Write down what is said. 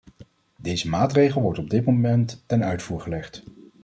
Deze maatregel wordt op dit moment ten uitvoer gelegd.